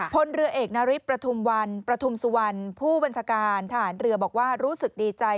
พลเรือเอกนาริสประทุมวันประทุมสุวรรณผู้บัญชาการทหารเรือบอกว่ารู้สึกดีใจ